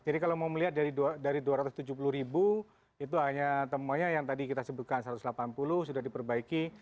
jadi kalau mau melihat dari dua ratus tujuh puluh ribu itu hanya temuannya yang tadi kita sebutkan satu ratus delapan puluh sudah diperbaiki